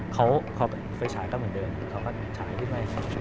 เขาก็เห็นไฟชายก็เหมือนเดิม